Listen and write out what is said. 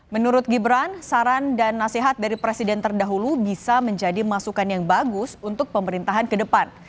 menurut gibran saran dan nasihat dari presiden terdahulu bisa menjadi masukan yang bagus untuk pemerintahan ke depan